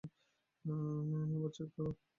আবার চেক কর।